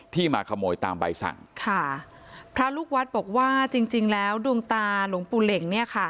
ที่มาขโมยตามใบสั่งพระลูกวัดบอกว่าจริงแล้วดวงตาหลวงปู่เหล็ง